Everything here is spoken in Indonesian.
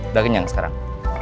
udah kenyang sekarang